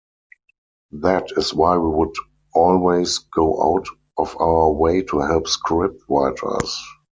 That is why we would always go out of our way to help scriptwriters.